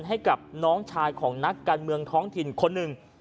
ให้กับน้องชายของนักการเมืองท้องถิ่นคนหนึ่ง